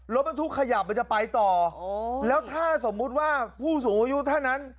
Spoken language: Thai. รถบรรทุกขยับมันจะไปต่อแล้วถ้าสมมุติว่าผู้สูงอายุท่านนั้น